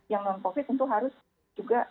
yang non covid tentu harus juga